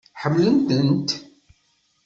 Ḥemmlent-tent?